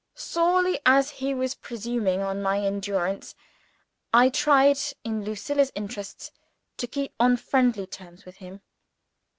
Sorely as he was presuming on my endurance, I tried, in Lucilla's interests, to keep on friendly terms with him.